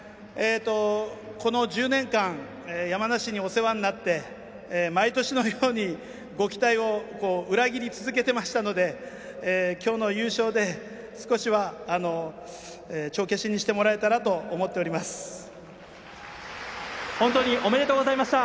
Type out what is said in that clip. この１０年間山梨にお世話になって毎年のようにご期待を裏切り続けてましたので今日の優勝で少しは帳消しにしてもらえたらと本当におめでとうございました。